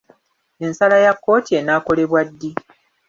Ensala ya kkooti enaakolebwa ddi?